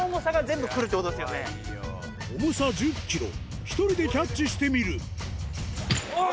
重さ１０ｋｇ１人でキャッチしてみるうわぁ！